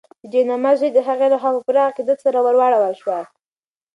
د جاینماز ژۍ د هغې لخوا په پوره عقیدت سره ورواړول شوه.